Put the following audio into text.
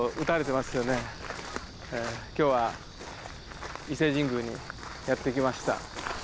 今日は伊勢神宮にやって来ました。